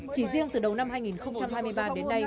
chỉ riêng từ đầu năm hai nghìn hai mươi ba đến nay